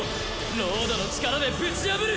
ロードの力でぶち破る！